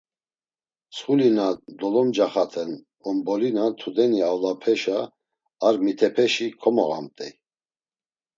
Mtsxuli na dolomcaxaten ombolina tudeni avlapeşa, ar mitepeşi komoğamt̆ey.